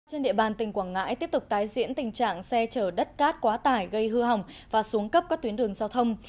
trên địa bàn tỉnh quảng ngãi tiếp tục tái diễn tình trạng xe chở đất cát quá tải gây hư hỏng và xuống cấp các tuyến đường giao thông